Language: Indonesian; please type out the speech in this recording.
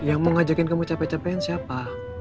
yang mau ngajakin kamu capek capekan siapa